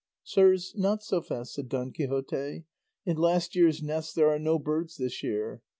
"Sirs, not so fast," said Don Quixote, "'in last year's nests there are no birds this year.